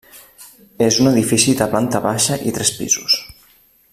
És un edifici de planta baixa i tres pisos.